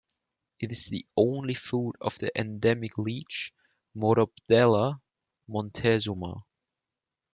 It is the only food of the endemic leech "Motobdella montezuma".